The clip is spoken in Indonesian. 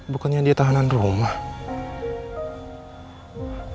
bukannya dia tahanan rumah